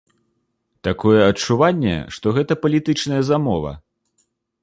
Такое адчуванне, што гэта палітычная замова.